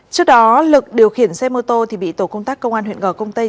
trước đó lực điều khiển xe mô tô thì bị tổ công tác công an huyện gò công tây